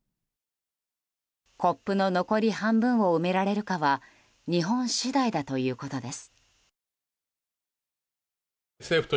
コップの残り半分を埋められるかは日本次第だということです。